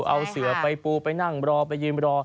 เอาเสือไปปูไปนั่งรอไปยืนรอ